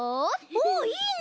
おいいね！